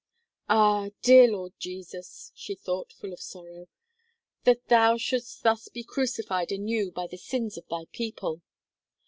"Ah! dear Lord Jesus," she thought, full of sorrow, "that thou shouldst thus be crucified anew by the sins of thy people!"